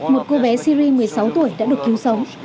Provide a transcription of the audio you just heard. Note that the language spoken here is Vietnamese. một cô bé syri một mươi sáu tuổi đã được cứu sống